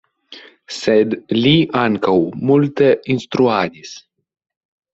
Sed li ankaŭ multe instruadis.